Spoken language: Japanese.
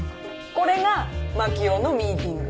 これが槙尾のミーティング。